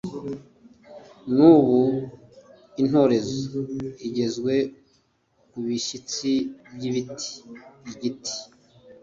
N ubu intorezo igezwe ku bishyitsi by ibiti igiti